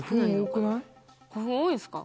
古墳多いんですか？